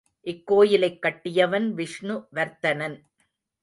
இக்கோயிலைக் கட்டியவன் விஷ்ணு வர்த்தனன்.